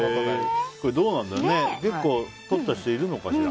結構とった人いるのかしら。